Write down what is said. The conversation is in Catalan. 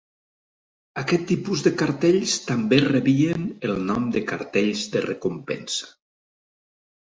Aquest tipus de cartells també rebien el nom de cartells de recompensa.